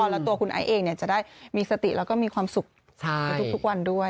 แล้วตัวคุณไอซ์เองจะได้มีสติแล้วก็มีความสุขในทุกวันด้วย